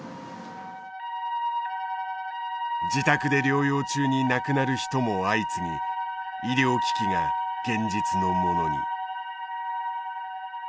自宅で療養中に亡くなる人も相次ぎ医療危機が現実のものに。